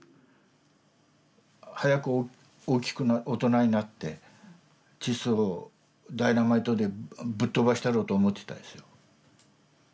早く大きく大人になってチッソをダイナマイトでぶっ飛ばしたろうと思ってたですよ。